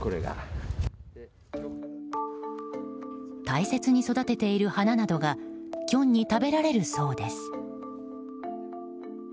大切に育てている花などがキョンに食べられるそうです。